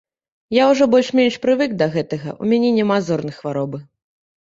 Я ўжо больш-менш прывык да гэтага, у мяне няма зорнай хваробы.